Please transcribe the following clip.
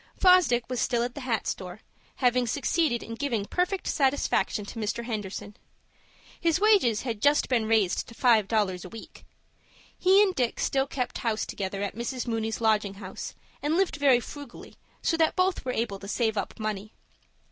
Fosdick was still at the hat store, having succeeded in giving perfect satisfaction to Mr. Henderson. His wages had just been raised to five dollars a week. He and Dick still kept house together at Mrs. Mooney's lodging house, and lived very frugally, so that both were able to save up money.